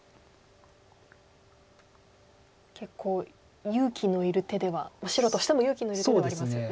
結構勇気のいる手では白としても勇気のいる手ではありますよね。